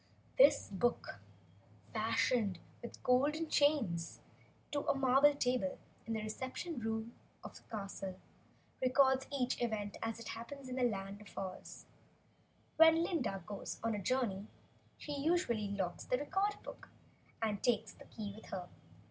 This book, fastened with golden chains to a marble table in the reception room of the castle, records each event as it happens, in the Land of Oz. When Glinda goes on a journey, she usually locks the Record book and takes the key with her.